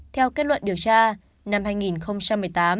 theo kết luận điều tra năm hai nghìn một mươi tám